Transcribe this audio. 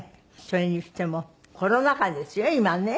それにしてもコロナ禍ですよ今ね。